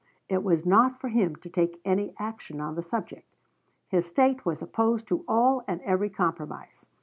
It was not for him to take any action on the subject. His State was opposed to all and every compromise.